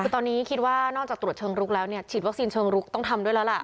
คือตอนนี้คิดว่านอกจากตรวจเชิงลุกแล้วเนี่ยฉีดวัคซีนเชิงรุกต้องทำด้วยแล้วล่ะ